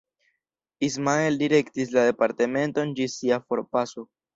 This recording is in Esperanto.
Ismael direktis la departementon ĝis sia forpaso.